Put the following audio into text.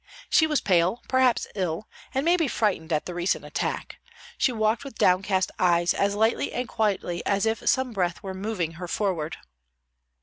She was pale, perhaps ill, and maybe frightened at the recent attack; she walked with downcast eyes as lightly and quietly as if some breath were moving her forward.